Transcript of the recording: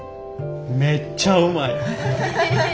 めっちゃうまい。